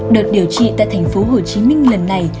đợt điều trị tại tp hcm lần này